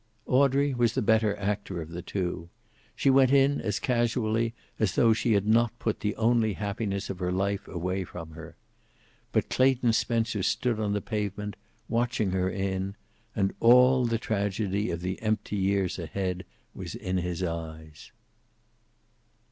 Audrey was the better actor of the two. She went in as casually as though she had not put the only happiness of her life away from her. But Clayton Spencer stood on the pavement, watching her in, and all the tragedy of the empty years ahead was in his eyes.